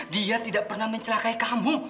dia tidak pernah mencelakai kamu